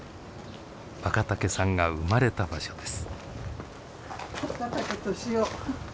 若竹さんが生まれた場所です。